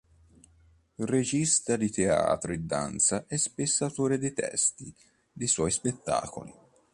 Regista di teatro e danza, è spesso autore dei testi dei suoi spettacoli.